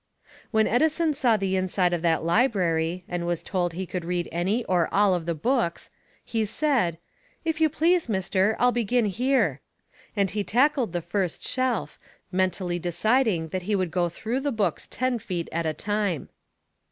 When Edison saw the inside of that library and was told he could read any or all of the books, he said, "If you please, Mister, I'll begin here." And he tackled the first shelf, mentally deciding that he would go through the books ten feet at a time.